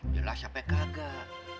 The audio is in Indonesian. jelas sampe kagak